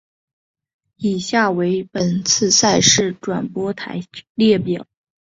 以下为本次赛事转播台列表。